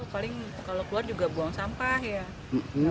paling kalau keluar juga buang sampah ya